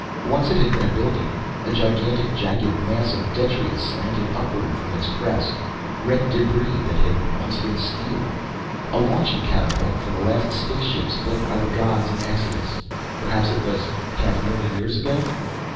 Once it had been a building. A gigantic, jagged mass of detritus slanted upward from its crest red debris that had once been steel. A launching catapult for the last space ships built by the gods in exodus, perhaps it was half a million years ago.